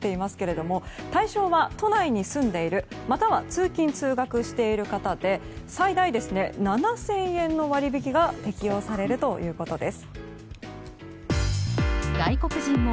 対象は都内に住んでいる、または通勤・通学している方で最大７０００円の割り引きが適用されるということです。